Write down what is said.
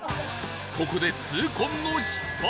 ここで痛恨の失敗